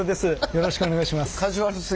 よろしくお願いします。